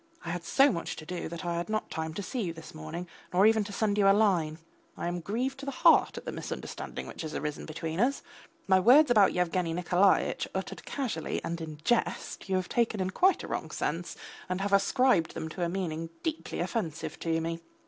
I had so much to do that I had not time to see you this morning, nor even to send you a line. I am grieved to the heart at the misunderstanding which has arisen between us. My words about Yevgeny Nikolaitch uttered casually and in jest you have taken in quite a wrong sense, and have ascribed to them a meaning deeply offensive to me.